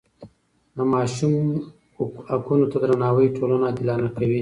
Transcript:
د ماشوم حقونو ته درناوی ټولنه عادلانه کوي.